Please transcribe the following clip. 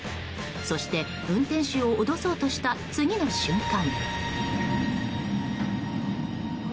そして運転手を脅そうとした次の瞬間。